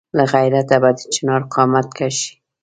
له غیرته به د چنار قامت کږ شي.